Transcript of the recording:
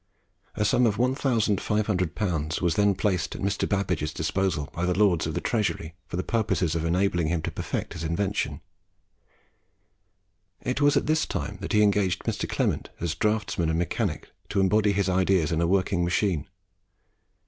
A sum of 1500L. was then placed at Mr. Babbage's disposal by the Lords of the Treasury for the purpose of enabling him to perfect his invention. It was at this time that he engaged Mr. Clement as draughtsman and mechanic to embody his ideas in a working machine.